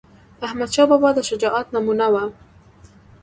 احمدشاه بابا د شجاعت نمونه وه..